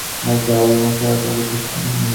ভাগ্য আবারও মুক্তভাবে প্রবাহিত হচ্ছে।